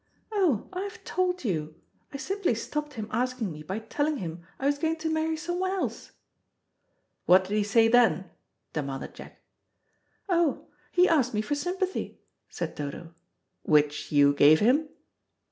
"Oh, I've told you. I simply stopped him asking me by telling him I was going to marry someone else." "What did he say then?" demanded Jack. "Oh, he asked me for sympathy," said Dodo. "Which you gave him?"